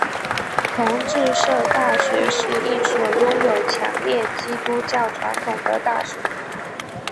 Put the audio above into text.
同志社大学是一所拥有强烈基督教传统的大学。